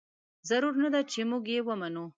ضرور نه ده چې موږ یې ومنو.